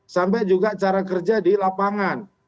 sampai juga cara kerja di lapangan